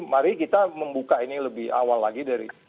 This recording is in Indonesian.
mari kita membuka ini lebih awal lagi dari